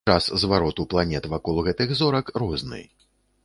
Час звароту планет вакол гэтых зорак розны.